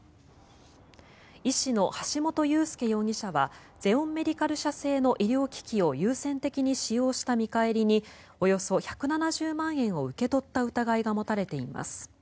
医師の橋本裕輔容疑者はゼオンメディカル社製の医療機器を優先的に使用した見返りにおよそ１７０万円を受け取った疑いが持たれています。